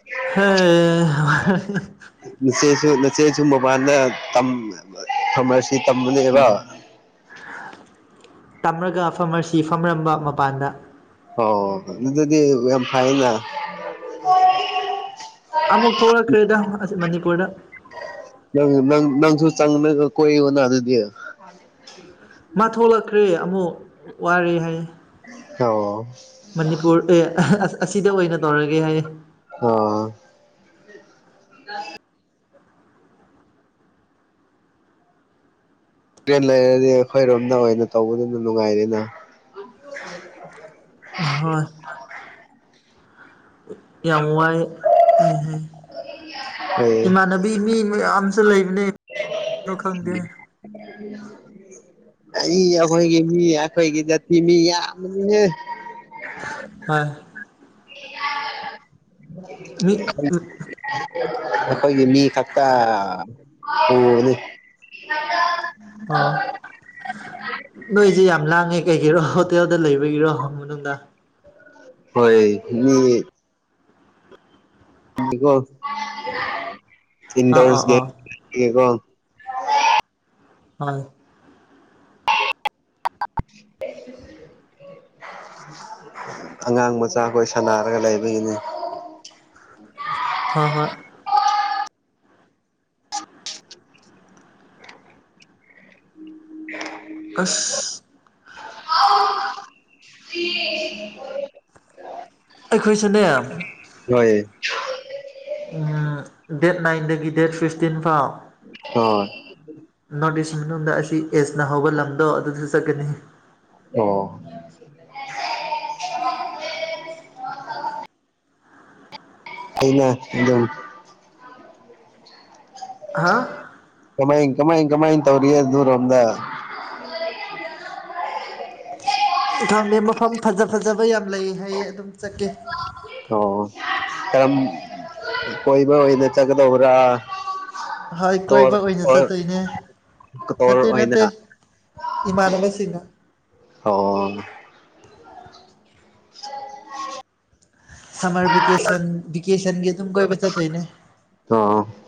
ꯍ ꯅꯆꯦꯁꯨ ꯅꯆꯦꯁꯨ ꯃꯄꯥꯟꯅ ꯇꯝ ꯀꯥꯃꯔꯁ ꯇꯝꯕꯅꯦꯕ ꯇꯝꯂꯒ ꯐꯝꯃꯁꯤ ꯐꯝꯃꯔꯝꯕ ꯃꯄꯥꯟꯗ ꯍ ꯑꯗꯨ ꯑꯗꯨꯗꯤ ꯌꯥꯝ ꯐꯥꯏꯅ ꯑꯃꯨꯛ ꯊꯣꯛꯂꯛꯈ꯭ꯔꯦꯗ ꯃꯅꯤꯄꯨꯔꯗ ꯆꯪꯅ ꯀꯣꯏꯅ ꯑꯗꯨꯗꯤ ꯃꯥ ꯊꯣꯛꯂꯛꯈ꯭ꯔꯦ ꯑꯃꯨꯛ ꯋꯥꯔꯦ ꯍꯥꯏ ꯑꯣ ꯃꯅꯤꯄꯨꯔ ꯑꯦ ꯑꯁꯤꯗ ꯑꯣꯏꯅ ꯇꯧꯔꯒꯦ ꯍꯥꯏꯌꯦ ꯑ [inaudible] ꯇ꯭ꯔꯦꯟ ꯂꯩꯔꯗꯤ ꯑꯩꯈꯣꯏꯔꯣꯝꯗ ꯑꯣꯏꯅ ꯇꯧꯕꯅꯤꯅ ꯅꯨꯡꯉꯥꯏꯔꯤꯦꯅ ꯍꯣꯏ ꯌꯥꯝ ꯋꯥꯏꯌꯦ ꯑꯩ ꯏꯃꯅꯕꯤ ꯃꯤ ꯑꯃꯁꯨ ꯂꯩꯕꯅꯦ ꯀꯩꯅꯣ ꯈꯪꯗꯦ ꯑꯩ ꯑꯩꯈꯣꯏ ꯃꯤꯍꯥꯏ ꯑꯩꯈꯣꯌꯒꯤꯗ ꯇꯤ ꯃꯤ ꯌꯥꯝꯕꯅꯤ ꯍꯦ ꯍ ꯃꯤ ꯑꯩꯈꯣꯏꯒꯤ ꯃꯤ ꯈꯛꯇ ꯄꯨꯕꯅꯤ ꯑꯣ ꯅꯣꯏꯁꯤ ꯌꯥꯝ ꯂ ꯀꯩꯒꯤꯔꯣ ꯍꯣꯇꯦꯜꯗ ꯂꯩꯕꯒꯤꯔꯣ ꯃꯅꯨꯡꯗ ꯍꯣꯏ ꯃꯤ ꯀꯣ ꯑꯥ ꯑꯥ ꯑꯥ ꯏꯟꯗꯔꯦꯀꯣ ꯍꯣꯏ ꯑꯉꯥꯡ ꯃꯆꯥꯈꯣꯏ ꯁꯥꯟꯅꯔꯒ ꯔꯂꯥꯏꯕꯒꯤꯅꯤ ꯍꯣꯏ ꯍꯣꯏ ꯑꯁ ꯑꯩꯈꯣꯏꯁꯦꯅꯦ ꯍꯣꯏ ꯎꯝ ꯗꯦꯠ ꯅꯥꯏꯟꯗꯒꯤ ꯗꯦꯠ ꯐꯤꯁꯇꯤꯟ ꯐꯥꯎ ꯍꯣꯏ ꯅꯣꯔꯠ ꯏꯁ ꯃꯅꯨꯡꯗ ꯑꯁꯤ ꯑꯦꯁꯅ ꯍꯧꯕ ꯂꯝꯗꯣ ꯑꯗꯨꯁꯨ ꯆꯠꯀꯅꯤ ꯑꯣ [unintelligible] ꯑꯩꯅ ꯑꯗꯨꯝ ꯍꯥ ꯀꯃꯥꯏ- ꯀꯃꯥꯏ ꯇꯧꯔꯤꯒꯦ ꯑꯗꯨꯔꯣꯝꯗ ꯈꯪꯗꯦ ꯃꯐꯝ ꯐꯖ -ꯐꯖꯕ ꯌꯥꯝ ꯂꯩ ꯍꯥꯏꯌꯦ ꯑꯗꯨꯝ ꯆꯠꯀꯦ ꯑꯣ ꯀꯝ ꯀꯣꯏꯕ ꯑꯣꯏꯅ ꯆꯠꯒꯗꯧꯕꯔꯥ ꯍꯣꯏ ꯀꯣꯏꯕ ꯑꯣꯏꯅ ꯆꯠꯇꯣꯏꯅꯦ ꯇꯣꯔ ꯅꯠꯇꯦ ꯑꯣꯏꯅ -ꯅꯠꯇꯦ ꯏꯃꯥꯟꯅꯕꯁꯤꯡꯅ ꯑꯣ [unintelligible] ꯁꯝꯃꯔ ꯚꯦꯀꯦꯁꯟ -ꯚꯦꯀꯦꯁꯟꯒꯤ ꯑꯗꯨꯝ ꯀꯣꯏꯕ ꯆꯠꯇꯣꯏꯅꯦ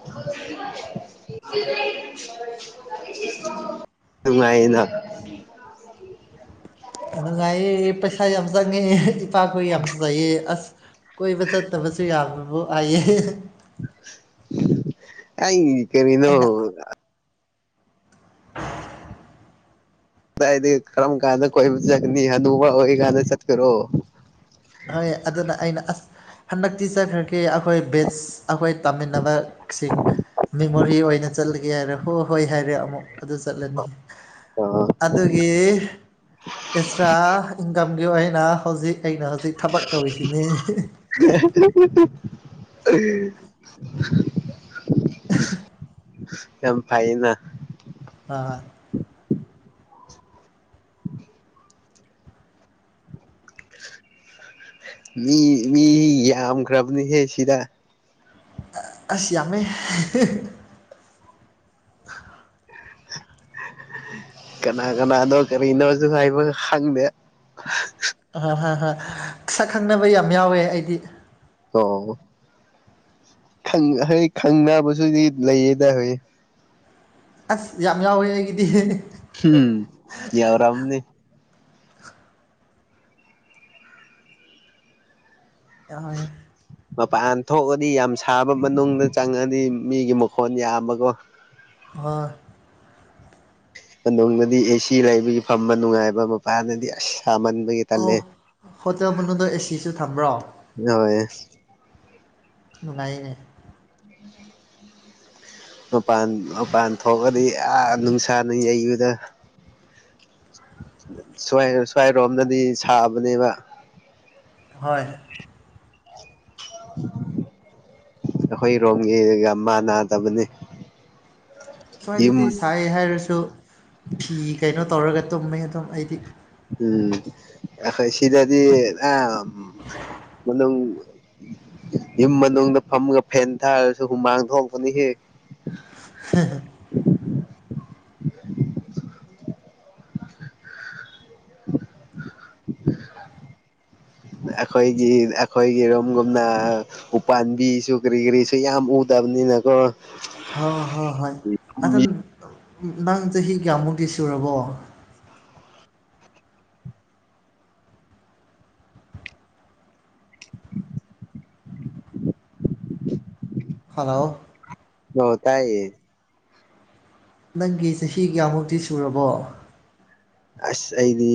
[unintelligible] ꯅꯨꯡꯉꯥꯏꯅ ꯅꯨꯡꯉꯥꯏꯌꯦ ꯄꯩꯁꯥ ꯌꯥꯝ ꯆꯪꯉꯦ ꯏꯄꯥꯈꯣꯏ ꯌꯥꯝ ꯆꯩꯌꯦ ꯑꯁ ꯀꯣꯏꯕ ꯆꯠꯇꯕꯁꯨ ꯌꯥꯕꯕꯨ ꯍꯥꯏꯌꯦ ꯑꯩ ꯀꯔꯤꯅꯣ ꯑꯩꯅ ꯗꯥꯏꯗꯤ ꯀꯔꯝ ꯀꯥꯟꯗ ꯀꯣꯏ ꯆꯠꯀꯅꯤ ꯍꯥꯅꯨꯕ ꯑꯣꯏ ꯀꯥꯟꯗ ꯆꯠꯀꯔꯣ ꯍꯣꯏ ꯑꯗꯨꯅ ꯑꯩꯅ ꯑꯁ ꯍꯟꯗꯛꯇꯤ ꯆꯠꯈ꯭ꯔꯒꯦ ꯑꯩꯈꯣꯏ ꯕꯦꯁ ꯑꯩꯈꯣꯏ ꯇꯝꯃꯤꯟꯅꯕ ꯁꯤꯡ ꯃꯦꯃꯣꯔꯤ ꯑꯣꯏꯅ ꯆꯠꯂꯒꯦ ꯍꯥꯏꯔꯦ ꯍꯣꯏ- ꯍꯣꯏ ꯍꯥꯏꯔꯦ ꯑꯃꯨꯛ ꯑꯗꯨ ꯆꯠꯂꯅꯤ ꯑꯣ ꯑꯗꯨꯒꯤ ꯑꯦꯛꯁꯇ꯭ꯔꯥ ꯏꯟꯀꯝ ꯒꯤꯑꯣꯏꯅ ꯍꯧꯖꯤꯛ ꯑꯩ ꯊꯕꯛ ꯇꯧꯔꯤꯁꯤꯅꯦ ꯎꯝ [unintelligible] ꯌꯥꯝ ꯐꯩꯅ ꯃꯤ -ꯃꯤ ꯌꯥꯝꯈ꯭ꯔꯕꯅꯤ ꯍꯦ ꯁꯤꯗ ꯑꯁ ꯌꯥꯝꯃꯦ [unintelligible] ꯀꯅꯥ -ꯀꯅꯥꯅꯣ ꯀꯔꯤꯅꯣꯁꯨ ꯍꯥꯏꯕ ꯈꯪꯗꯦ ꯍꯣꯏ ꯍꯣꯏ ꯍꯣꯏ ꯁꯛ ꯈꯪꯅꯕ ꯌꯥꯝ ꯌꯥꯎꯋꯦ ꯑꯩꯗꯤ ꯑꯣ ꯍꯣꯏ ꯈꯪꯅꯕꯁꯨꯗꯤ ꯂꯩꯌꯦꯗ ꯍꯣꯏ ꯑꯁ ꯌꯥꯝ ꯌꯥꯎꯋꯦ ꯑꯩꯒꯤꯗꯤ ꯎꯝ ꯌꯥꯎꯔꯝꯅꯤ ꯑꯣꯏ ꯃꯄꯥꯟ ꯊꯣꯛꯑꯗꯤ ꯌꯥꯝ ꯁꯥꯕ ꯃꯅꯨꯡꯗ ꯆꯪꯉꯗꯤ ꯃꯤꯒꯤ ꯃꯈꯣꯟ ꯌꯥꯝꯕꯀꯣ ꯋ ꯃꯅꯨꯡꯗꯗꯤ ꯑꯦꯁꯤ ꯂꯩꯕꯒꯤ ꯐꯝꯕ ꯅꯨꯡꯉꯥꯏꯕ ꯃꯄꯥꯟꯗꯗꯤ ꯑꯁ ꯁꯥꯃꯟꯕꯒꯤ ꯇꯜꯂꯦ ꯑꯣ ꯍꯣꯇꯦꯜ ꯃꯅꯨꯡꯗ ꯑꯦꯁꯤꯁꯨ ꯊꯝꯕ꯭ꯔꯣ ꯍꯣꯏ ꯅꯨꯡꯉꯥꯏꯅꯦ ꯃꯄꯥꯟ -ꯃꯄꯥꯟ ꯊꯣꯛꯑꯗꯤ ꯑꯥ ꯅꯨꯡꯁꯥꯅ ꯌꯩꯕꯗ ꯁꯨꯋꯥꯏꯔꯣꯝꯗꯗꯤ ꯁꯥꯕꯅꯦꯕ ꯍꯣꯏ ꯑꯩꯈꯣꯏꯔꯣꯝꯒꯤꯒ ꯃꯥꯟꯅꯗꯕꯅꯦ ꯁꯨꯋꯥꯏꯗꯗꯤ ꯁꯥꯏ ꯍꯥꯏꯔꯁꯨ ꯐꯤ ꯀꯩꯅꯣ ꯇꯧꯔꯒ ꯇꯨꯝꯃꯦ ꯑꯗꯨꯝ ꯑꯩꯗꯤ ꯎꯝ ꯑꯩꯈꯣꯏ ꯁꯤꯗꯗꯤ ꯑ ꯃꯅꯨꯡ ꯌꯨꯝ ꯃꯅꯨꯡꯗ ꯐꯝꯃꯒ ꯐꯦꯟ ꯊꯥꯔꯁꯨ ꯍꯨꯃꯥꯡ ꯊꯣꯛꯄꯅꯤ ꯍꯦ [unintelligible] ꯑꯩꯈꯣꯏꯒꯤ- ꯑꯩꯈꯣꯏꯒꯤꯔꯣꯝꯒꯨꯝꯅ ꯎꯄꯥꯥꯟꯝꯕꯤꯁꯨ ꯀꯔꯤ- ꯀꯔꯤꯁꯨ ꯌꯥꯝ ꯎꯗ ꯇꯕꯅꯤꯅꯀꯣ ꯍ ꯍꯣ ꯍꯣꯏ ꯑꯗꯝ ꯅꯪ ꯆꯍꯤ ꯀꯌꯥꯃꯨꯛꯇꯤ ꯁꯨꯔꯕꯣ [inaudible] ꯍꯜꯂꯣ ꯍ ꯇꯥꯏꯌꯦ ꯅꯪꯒꯤ ꯆꯍꯤ ꯀꯌꯥꯃꯨꯛꯇꯤ ꯁꯨꯔꯕꯣ ꯑꯁ ꯑꯩꯗꯤ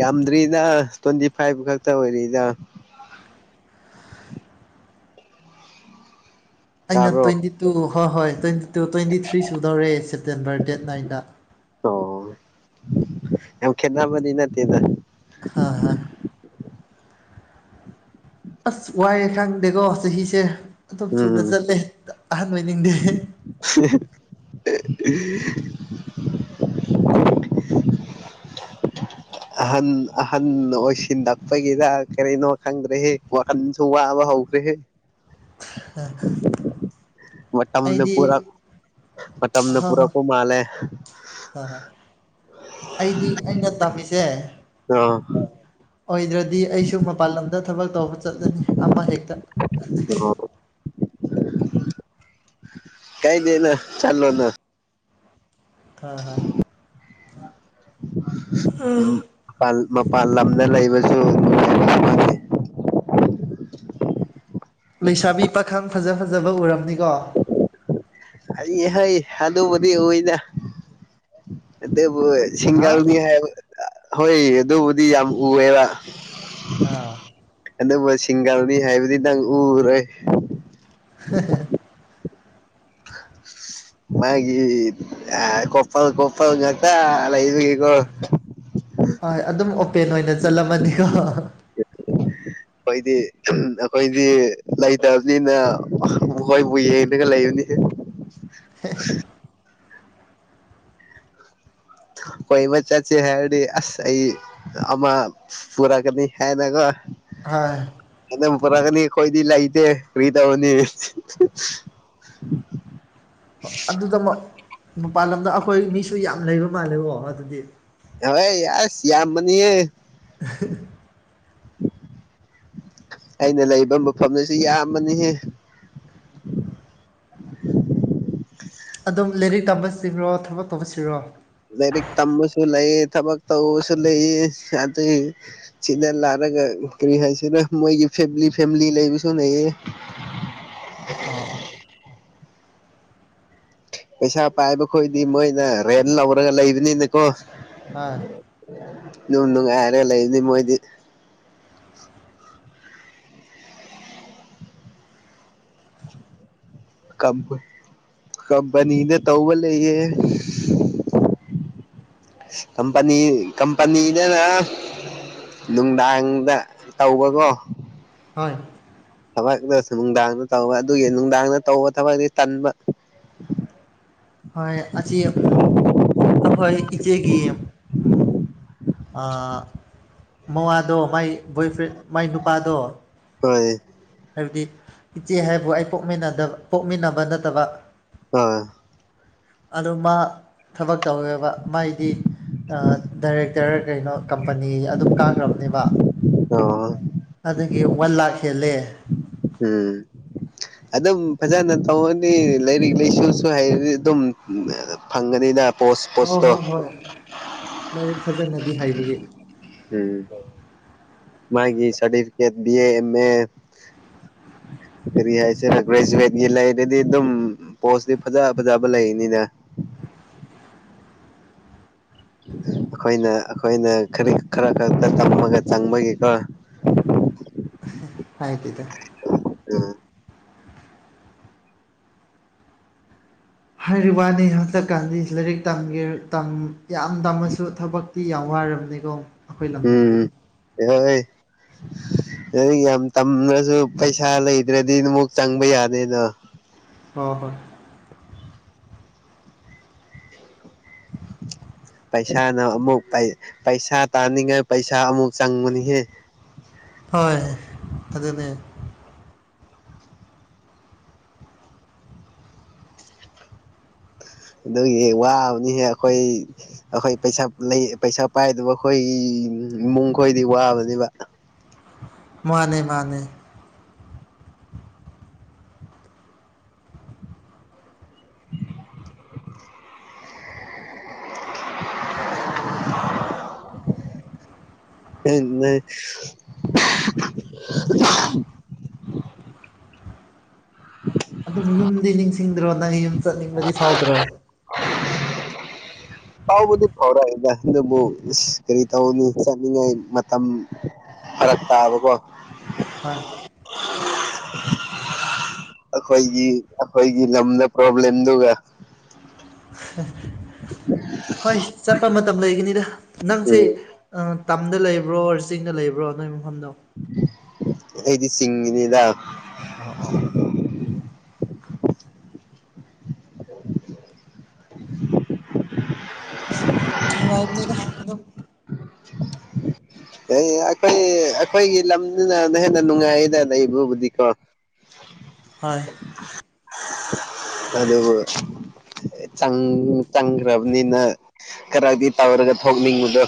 ꯌꯥꯝꯗ꯭ꯔꯤꯗ ꯇ꯭ꯋꯦꯟꯇꯤ ꯐꯥꯏꯚ ꯈꯛꯇ ꯑꯣꯏꯔꯤꯗ ꯑꯩꯅ ꯇꯥꯕ꯭ꯔꯣ ꯇ꯭ꯋꯦꯟꯇꯤ ꯇꯨ ꯍꯣꯏ ꯍꯣꯏ ꯇ꯭ꯋꯦꯟꯤ ꯇꯨ ꯇ꯭ꯋꯦꯟꯇꯤ ꯊ꯭ꯔꯤ ꯁꯨꯗꯧꯔꯦ ꯁꯦꯞꯇꯦꯝꯕꯔ ꯗꯦꯠ ꯅꯥꯏꯟꯗ ꯑꯣ ꯌꯥꯝ ꯈꯦꯗꯥꯕꯗꯤ ꯅꯗ ꯍꯥ ꯍ ꯑꯁ ꯋꯥꯏꯑꯦ ꯈꯪꯗꯦꯀꯣ ꯆꯍꯤꯁꯦ ꯑꯗꯨꯝ ꯊꯨꯅ ꯎꯝ ꯆꯠꯂꯦ ꯑꯍꯟ ꯑꯣꯏꯅꯤꯡꯗꯦ [inaudible] [inaudible] [inaudible] [inaudible] ꯑꯍꯟ ꯑꯍꯟ ꯑꯣꯏꯁꯤꯜꯂꯛꯄꯒꯤꯗ ꯀꯔꯤꯅꯣ ꯈꯪꯗ꯭ꯔꯦ ꯋꯥꯈꯜꯁꯨ ꯋꯥꯕ ꯍꯧꯈ꯭ꯔꯦ ꯍ ꯑꯦ ꯃꯝꯅ ꯄꯥ ꯃꯇꯝꯅ ꯄꯨꯔ ꯀꯨꯃ ꯂꯦ ꯐꯔꯣꯏ ꯑꯩꯗꯤ ꯑꯩꯅ ꯇꯝꯃꯤꯁꯦ ꯑꯣ ꯑꯣꯏꯗ꯭ꯔꯗꯤ ꯑꯩꯁꯨ ꯃꯄꯜ ꯂꯝ ꯗ ꯊꯕꯛ ꯇꯧꯕ ꯆꯠꯂꯅꯤ ꯑꯃ ꯍꯦꯛꯇ ꯀꯥꯏꯅꯦꯅ ꯆꯜꯂꯣ ꯅ ꯍꯣꯏ ꯍꯣꯏ ꯎꯝ ꯐꯜ ꯃꯄꯥꯟ ꯂꯝꯗ ꯂꯩꯕꯁꯨ ꯐꯪꯉꯩ ꯂꯩꯁꯥꯕꯤ ꯄꯥꯈꯪ ꯐꯖ ꯐꯖꯕ ꯎꯔꯝꯅꯤꯀꯣ ꯑꯩ ꯍ ꯑꯗꯨꯕꯤ ꯑꯣꯏꯣꯏꯗ ꯑ ꯍꯥ ꯁꯤꯡꯒꯜꯅꯤ ꯍꯥꯏꯕ ꯍꯣꯏ ꯑꯗꯨꯕꯨꯗꯤ ꯌꯥꯝ ꯎꯑꯦꯕ ꯑꯥ ꯑꯗꯨꯕꯨ ꯁꯤꯡꯒꯔꯅꯤ ꯍꯥꯏꯕꯨꯗꯤ ꯅꯪ ꯎꯔꯣꯏ ꯍ ꯃꯥꯒꯤ ꯀꯣꯄꯥꯜ ꯀꯣꯄꯜ ꯉ ꯀ ꯍꯣꯏ ꯑꯗꯨꯝ ꯑꯣꯄꯦꯟ ꯑꯣꯏꯅ ꯆꯠꯂꯝꯃꯅꯤꯀꯣ ꯑꯩꯈꯣꯏꯗꯤ ꯑꯩꯈꯣꯏꯗꯤ ꯂꯩꯇꯕꯅꯤꯅ ꯃꯈꯣꯏꯕꯨ ꯌꯦꯡꯉꯒ ꯂꯩꯕꯅꯤ [unintelligible] ꯑꯩꯣꯏ ꯃ ꯆꯥꯆꯦ ꯍꯥꯏꯔꯗꯤ ꯑꯁ ꯑꯩ ꯑꯃ ꯄꯨꯔꯥꯀꯅꯤ ꯍꯥꯏꯅ ꯀꯣ ꯍꯥꯏꯣꯏ ꯐꯔꯒꯅꯤ ꯀꯣꯏꯗꯤ ꯂ ꯏꯗꯦ ꯀꯔꯤꯗꯥ ꯑꯣꯅꯤ ꯑꯗꯨꯗ ꯃꯄꯥꯟ ꯂꯝꯗ ꯑꯩꯈꯣꯏ ꯃꯤꯁꯨ ꯌꯥꯝ ꯂꯩꯕ ꯃꯥꯜꯂꯦꯕꯣ ꯑꯗꯨꯗꯤ ꯍꯣꯏ ꯌꯥꯁꯤ ꯌꯥ ꯌꯥꯝ ꯃꯅꯤ [inaudible] [inaudible] ꯑꯩꯅ ꯂꯩꯕ ꯃꯐꯝ ꯑꯁꯤ ꯌꯥꯝꯕꯅꯤꯍꯦ [inaudible] ꯑꯗꯨꯝ ꯂꯥꯏꯔꯤꯛ ꯇꯝꯕ ꯁꯤ꯭ꯔꯣ ꯊꯕꯛ ꯇꯧꯕꯁꯤꯔꯣ ꯂꯥꯏꯔꯤꯛ ꯇꯝꯕꯁꯨ ꯂꯩ ꯊꯕꯛ ꯇꯧꯕꯁꯨ ꯂꯩ ꯑꯗꯨ ꯁꯤꯗꯂꯔ ꯀꯔꯤ ꯍꯥꯏꯁꯤꯔ ꯃꯣꯏꯒꯤ ꯐꯦꯃꯤꯂꯤ ꯐꯦꯃꯤꯂꯤ ꯂꯩꯕꯁꯨ ꯂꯩꯌꯦ ꯑꯥ ꯄꯩꯁꯥ ꯄꯥꯏꯕꯈꯣꯏꯗꯤ ꯃꯣꯏꯅ ꯔꯦꯟ ꯂꯧꯔꯒ ꯂꯩꯕꯅꯤꯅꯀꯣ ꯍꯥꯣꯏ ꯏꯅꯅꯨꯡ ꯉꯔ ꯂꯩ ꯏꯅꯤ ꯃꯗꯤ [inaudible] ꯀꯝ ꯀꯝꯄꯅꯤꯗ ꯇꯧꯕ ꯂꯩꯌꯦ ꯀꯄꯅꯤ ꯀꯝꯄꯅꯤꯅꯦꯅ ꯑꯁ ꯅꯨꯡꯗꯥꯡꯗ ꯇꯧꯕꯀꯣ ꯍꯣꯏ ꯊꯕꯛꯛꯇꯁꯨ ꯅꯨꯡꯗꯥꯡꯗ ꯇꯧꯕ ꯑꯗꯨꯒꯤ ꯅꯨꯡꯗꯥꯡꯗ ꯇꯧꯕ ꯊꯕꯛꯅꯤ ꯇꯟꯕ ꯍꯣꯏ ꯑꯁꯤ ꯑꯩꯈꯣꯏ ꯏꯆꯦꯒꯤ ꯃꯃꯥꯗꯣ ꯃꯥꯏ ꯕꯣꯏ ꯐ꯭ꯔꯦꯟ ꯃꯥꯏ ꯅꯨꯄꯥꯗꯣ ꯍꯣꯏ ꯍꯥꯏꯕꯗꯤ ꯏꯆꯦ ꯍꯥꯏꯕꯨ ꯑꯩ ꯄꯣꯛꯃꯤꯟꯅꯗꯕ ꯄꯣꯛꯃꯤꯟꯅꯕ ꯅꯠꯇꯕ ꯑ ꯑꯗꯨ ꯃꯥ ꯊꯕꯛ ꯇꯧꯋꯦꯕ ꯃꯥꯏꯗꯤ ꯗꯥꯏꯔꯦꯛ ꯑꯣ [unintelligible] ꯈꯦꯂꯦ ꯎꯝ ꯑꯗꯨꯝ ꯐꯖꯅ ꯇꯧꯔꯅꯤ ꯂꯥꯏꯔꯤꯛ ꯂꯥꯏꯁꯨꯁꯨ ꯍꯩꯔꯗꯤ ꯑꯗꯨꯝ ꯐꯪꯉꯅꯤꯅ ꯍꯣꯏ ꯍꯣꯏ ꯍꯣꯏ ꯂꯥꯏꯔꯤꯛ ꯐꯖꯅꯗꯤ ꯍꯥꯏꯕꯒꯤ ꯎꯝ ꯃꯥꯒꯤ ꯁꯔꯇꯤꯐꯦꯠ ꯕꯤ ꯑꯦꯦꯝ ꯑꯦ ꯎ ꯀꯔꯤ ꯍꯥꯏꯁꯤꯦꯔ ꯒ꯭ꯔꯦꯖꯨꯋꯦꯠꯀꯤ ꯂꯩꯔꯗꯤ ꯑꯗꯨꯝ ꯄꯣꯁꯇꯤ ꯐꯖ ꯐꯖꯕ ꯂꯩꯅꯤꯅ [inaudible] ꯑꯩꯈꯣꯏꯅ ꯑꯩꯈꯣꯏꯅ ꯈ ꯈꯔ ꯈꯛꯇ ꯇꯝꯃꯒ ꯆꯪꯕꯒꯤꯀꯣ [inaudible] ꯍꯥꯏꯥꯏ ꯇꯗ ꯎꯝ ꯍꯥꯏꯔꯤꯕ ꯋꯥꯅꯤ ꯍꯟꯇꯛꯀꯥꯟꯗꯤ ꯂꯥꯏꯔꯤꯛ ꯇꯝꯒꯦ ꯌꯥꯝ ꯇꯝꯃꯁꯨ ꯊꯕꯛꯇꯤ ꯌꯥꯎꯋ ꯋꯥꯔꯕꯅꯤꯀꯣ ꯑꯩꯈꯣꯏ ꯂꯝꯗꯝꯗꯗꯤ ꯌꯑꯥꯏ ꯌꯥꯝ ꯇꯝꯅꯁꯨ ꯄꯩꯁꯥ ꯂꯩꯗ꯭ꯔꯗꯤ ꯑꯗꯨꯨꯛ ꯆꯪꯕ ꯌꯥꯗꯦꯗꯣ ꯍꯣ ꯍꯣꯏ [inaudible] ꯄꯩꯁꯥꯅ ꯑꯃꯨꯛ ꯄꯩꯁꯥ ꯇꯥꯅꯤꯡꯉꯥꯏ ꯄꯩꯁꯥ ꯑꯃꯨꯛ ꯆꯪꯕꯅꯤꯍꯦ [inaudible] ꯍꯣꯏ ꯑꯗꯨꯅꯦ ꯑꯗꯨꯒꯤ ꯋꯥꯕꯅꯤꯍꯦ ꯑꯩꯈꯣꯏ ꯑꯩꯈꯣꯏ ꯄꯩꯁꯥ ꯄꯩꯁꯥ ꯄꯥꯏꯗꯨꯕ ꯑꯩꯈꯣꯏ ꯏꯃꯨꯡ ꯈꯣꯏꯗꯤ ꯋꯥꯕꯅꯦꯕ ꯃꯥꯅꯦ ꯃꯥꯅꯦ [inaudible] [inaudible] [unintelligible] [inaudible] ꯑꯗꯨꯝ ꯌꯨꯝꯗꯤ ꯅꯤꯡꯁꯤꯡꯗ꯭ꯔꯣ ꯅꯪ ꯌꯨꯝ ꯆꯠꯅꯤꯡꯕꯗꯤ ꯐꯥꯎꯗ꯭ꯔꯣ ꯐꯥꯎꯕꯗꯤ ꯐꯥꯎꯔꯛꯑꯏꯗ ꯑꯗꯨꯕꯨ ꯑꯁ ꯀꯔꯤ ꯇꯧꯅꯤ ꯆꯠꯅꯤꯡꯉꯥꯏ ꯃꯇꯝ ꯐꯔꯛ ꯇꯥꯕꯥꯀꯣ ꯍꯣꯏ [inaudible] ꯑꯩꯈꯣꯏꯒꯤ ꯑꯩꯈꯣꯏꯒꯤ ꯂꯝꯗ ꯄ꯭ꯔꯣꯕ꯭ꯂꯦꯝꯗꯨꯒ ꯍꯣꯏ ꯆꯠꯄ ꯃꯇꯝ ꯂꯩꯒꯅꯤꯗ ꯅꯪꯁꯦ ꯎꯝ ꯇꯝꯗ ꯂꯩꯕ꯭ꯔꯣ ꯑꯣꯔ ꯆꯤꯡꯗ ꯂꯩꯕ꯭ꯔꯣ ꯅꯣꯏ ꯃꯐꯝꯗꯣ ꯑꯩꯗꯤ ꯁꯤꯁꯤꯡꯅꯤꯗ ꯑꯣ ꯑꯣ ꯑꯣ ꯅꯨꯡꯉꯥꯏꯕ ꯂꯩꯅ ꯑꯗꯨꯝ ꯑꯦ ꯑꯩꯈꯣꯏ ꯑꯩꯈꯣꯏꯒꯤ ꯂꯝꯁꯤꯅꯅ ꯍꯦꯟꯅ ꯅꯨꯡꯉꯥꯏꯗꯅ ꯂꯩ ꯑꯩꯕꯨꯕꯨꯗꯤꯀꯣ ꯍꯣꯏ ꯑꯗꯨꯕꯨ ꯆꯪꯈ꯭ꯔꯕꯅꯤꯅ ꯈꯔꯗꯤ ꯇꯧꯔꯒ ꯊꯣꯛꯅꯤꯡꯕꯗꯣ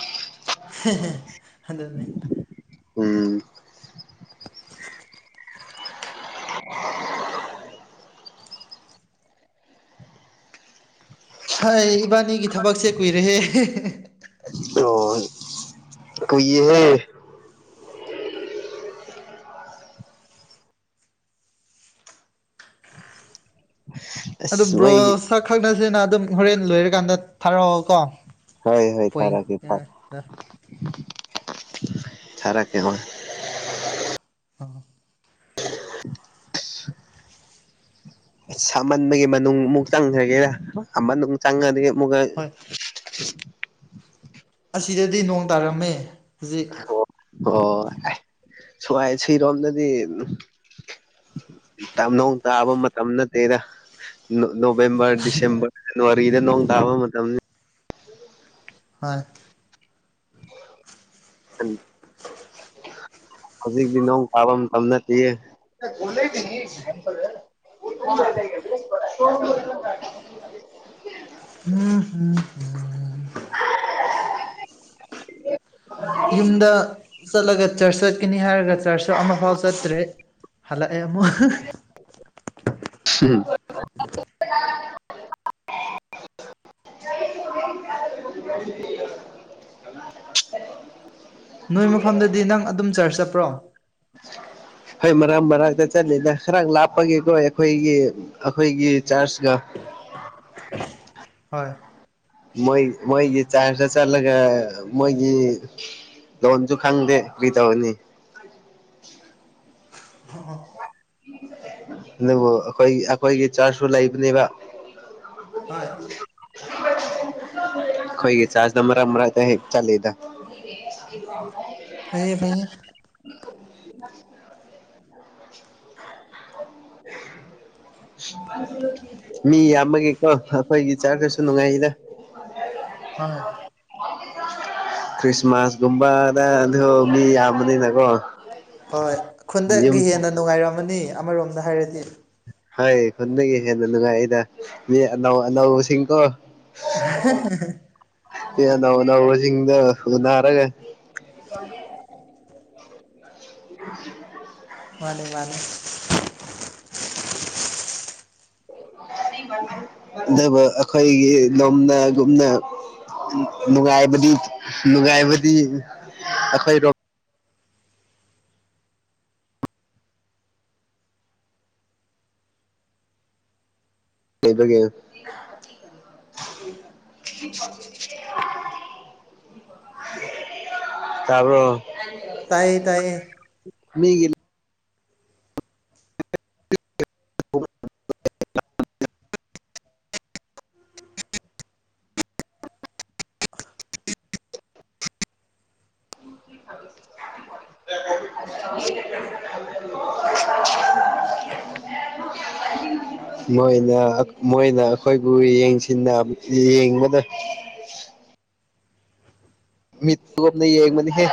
ꯑꯗꯨ ꯎꯝ [unintelligible] ꯍꯥꯏ ꯏꯕꯥꯅꯤꯒꯤ ꯊꯕꯛꯁꯦ ꯀꯨꯏꯔꯦꯍꯦ ꯑꯣ ꯀꯣꯏꯍꯦ ꯑꯗꯨ ꯑꯁ ꯕ꯭ꯔꯣ ꯃꯩ ꯁꯛ ꯈꯪꯅꯁꯤꯅ ꯑꯗꯨꯝ ꯍꯣꯔꯦꯟ ꯂꯣꯏꯔꯀꯥꯟꯗ ꯊꯥꯔꯛꯑꯣ ꯀꯣ ꯍꯣꯏ ꯍꯣꯏ ꯐꯔꯛꯁꯤꯦ ꯐꯔ ꯆꯔꯥ ꯀꯍ ꯑ [unintelligible] ꯑꯁ ꯑꯃꯃꯟꯕꯒꯤ ꯃꯅꯨꯡ ꯑꯃꯨꯛ ꯆꯪꯈ꯭ꯔꯒꯦꯔ ꯆꯪꯉꯗꯤ ꯑꯃꯨꯛꯀ ꯍꯣꯏ [unintelligible] ꯑꯁꯤꯗꯗꯤ ꯅꯣꯡ ꯇꯥꯔꯝꯃꯦ ꯍꯧꯖꯤꯛ ꯑꯣ ꯁꯉꯥꯏ ꯁꯤꯔꯣꯝꯅꯗꯤ ꯅꯧ ꯇꯥꯕ ꯃꯇꯝ ꯅꯠꯇꯦꯗ ꯅꯣꯕꯦꯝꯕꯔ ꯗꯤꯁꯦꯝꯕꯔ ꯖꯅꯋꯥꯔꯤꯗ ꯅꯣꯡ ꯇꯥꯕ ꯃꯇꯝꯅꯤ ꯍꯣꯏ ꯎꯝ ꯍꯧꯖꯤꯛꯇꯤ ꯅꯣꯡ ꯇꯥꯕ ꯃꯇꯝ ꯅꯠꯇꯦ [inaudible] ꯎꯝ ꯌꯨꯝꯗ [unintelligible] ꯆꯠꯂꯒ ꯆꯔꯆ ꯆꯠꯀꯅꯤ ꯍꯥꯏꯔꯒ ꯆꯔꯆꯁꯨ ꯑꯃꯐꯥꯎ ꯆꯠꯇ꯭ꯔꯦ ꯍꯜꯂꯛ ꯑ ꯑꯃ ꯎꯝ [unintelligible] ꯅꯣꯏ ꯃꯐꯝꯗꯗꯤ ꯅꯪ ꯑꯗꯨꯝ ꯆꯔ ꯆꯠꯄ꯭ꯔꯣ [unintelligible] ꯍꯣꯏ ꯃꯔꯥꯡ ꯃꯔꯛꯇ ꯆꯠꯂꯤꯗ ꯈꯔ ꯂꯥꯞꯄꯒꯦꯀꯣ ꯑꯩꯈꯣꯏꯒꯤ ꯑꯩꯈꯣꯏꯒꯤ ꯆꯥꯔꯆꯀ [unintelligible] ꯍꯣꯏ ꯃꯣꯏ ꯃꯣꯏꯒꯤ ꯆꯥ ꯆ ꯆꯠꯂꯒ ꯃꯣꯏꯒꯤ ꯂꯣꯟꯟꯁꯨꯨ ꯈꯥꯡꯗꯦ ꯄꯤꯗꯥ ꯋꯥꯅꯤ ꯑꯣ ꯑꯗꯨꯕꯨ ꯑꯩꯈꯣꯏ ꯑꯩꯈꯣꯏꯒꯤ ꯆꯥꯔꯁꯨ ꯂꯩꯕꯅꯦꯕ ꯍꯣꯏ [unintelligible] ꯍꯣꯏꯒꯤ ꯆꯥꯖ ꯃꯔ ꯃꯔ ꯍ ꯆꯂꯗ ꯐꯌꯦ ꯐꯌꯦ [inaudible] [inaudible] ꯃꯤ ꯌꯥꯝꯃꯒꯦꯀꯣ ꯑꯩꯈꯣꯏꯒꯤ ꯆꯥ ꯀꯁꯨ ꯅꯨꯡꯉꯥꯏꯗ ꯍꯣꯏ ꯈ꯭ꯔꯤꯁꯃꯥꯁꯒꯨꯝꯕꯗ ꯑꯗꯨ ꯃꯤ ꯌꯥꯝꯕꯅꯤꯅꯀꯣ ꯍꯣꯏ ꯌꯨꯝ ꯈꯨꯟꯗꯛꯀꯤ ꯍꯦꯟꯅ ꯅꯨꯡꯉꯥꯏꯔꯝꯃꯅꯤ ꯑꯃꯔꯣꯝꯗ ꯍꯥꯏꯔꯗꯤ ꯍ ꯈꯨꯟꯗꯒꯤ ꯍꯦꯟꯅ ꯅꯨꯡꯉꯥꯏꯗ ꯃꯤ ꯑꯅꯧ ꯑꯅꯧꯕꯁꯤꯡꯀꯣ [inaudible] ꯍ‌ꯦ ꯑꯅꯧ ꯑꯅꯧꯕꯁꯤꯡꯗꫭ ꯅꯔꯒ [unintelligible] ꯃꯥꯅꯤ ꯃꯥꯅꯤ ꯑꯗꯨꯕꯨ ꯑꯩꯈꯣꯏꯒꯤ ꯂꯣꯝꯗꯒꯨꯝꯅ ꯅꯨꯡꯉꯥꯏꯕꯗꯤ ꯅꯨꯡꯉꯥꯏꯕꯗꯤ ꯑꯩꯈꯣꯏꯔꫭꯝ ꯂꯩꯕꯒ‌ꯦ [unintelligible] ꯇꯔꫭ ꯇꯥꯏꯌꯦ ꯇꯥꯏꯌꯦ ꯃꯤꯒꯤ [unintelligible] [unintelligible] ꯃꯣꯏꯅ ꯑ ꯃꯣꯏꯅ ꯑꯩꯈꯣꯏꯕꯨ ꯌꯦꯡꯁꯤ ꯌꯦꯡꯕꯗ [unintelligible] ꯃꯤꯁꯨꯞꯅ ꯌꯦꯕꯅꯤ ꯍ‌ꯦ